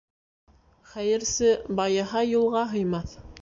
Хәйерсе байыһа, юлға һыймаҫ.